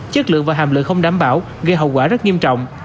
chất lượng và hàm lượng không đảm bảo gây hậu quả rất nghiêm trọng